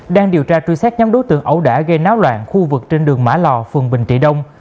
đang điều tra truy xét nhóm đối tượng ẩu đả gây náo loạn khu vực trên đường mã lò phường bình trị đông